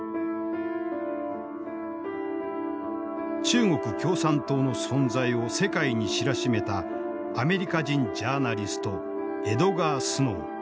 中国共産党の存在を世界に知らしめたアメリカ人ジャーナリストエドガー・スノー。